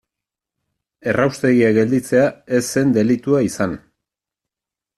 Erraustegia gelditzea ez zen delitua izan.